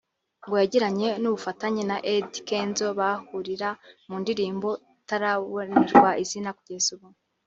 ngo yagiranye ubufatanye na Eddy Kenzo bahurira mu ndirimbo itarabonerwa izina kugeza ubu